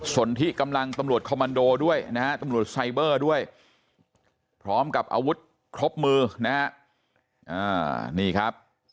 ส่วนที่กำลังตำรวจคอมมันโดด้วยนะฮะตำรวจไซเบอร์ด้วยพร้อมกับอาวุธครบมือนะฮะนี่ครับ